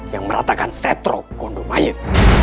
yang meratakan setro kondum mayat